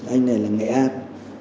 anh này là nghệ an